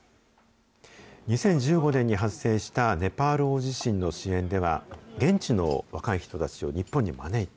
２０１５年に発生したネパール大地震の支援では、現地の若い人たちを日本に招いて、